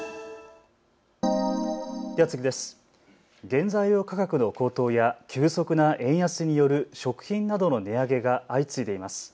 原材料価格の高騰や急速な円安による食品などの値上げが相次いでいます。